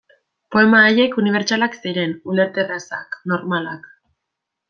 Poema haiek unibertsalak ziren, ulerterrazak, normalak.